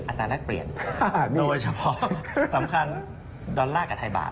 ตราแรกเปลี่ยนโดยเฉพาะสำคัญดอลลาร์กับไทยบาท